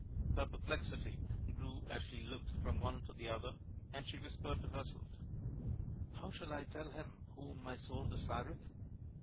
Her perplexity grew as she looked from one to the other, and she whispered to herself, " How shall I tell him whom my soul desireth